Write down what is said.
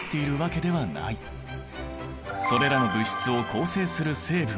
それらの物質を構成する成分